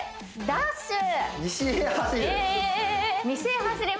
ダッシュ